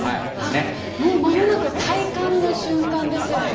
もうまもなく戴冠の瞬間です。